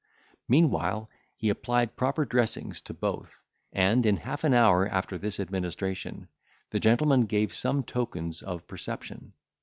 Meanwhile, he applied proper dressings to both; and, in half an hour after this administration, the gentleman gave some tokens of perception.